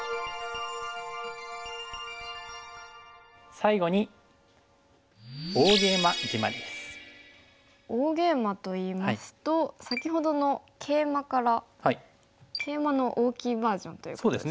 最後に大ゲイマといいますと先ほどのケイマからケイマの大きいバージョンという感じですかね。